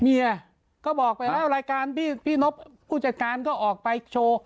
เมียก็บอกไปแล้วรายการพี่นบผู้จัดการก็ออกไปโชว์